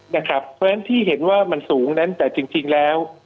เพราะฉะนั้นที่เห็นว่ามันสูงนั้นแต่จริงแล้ว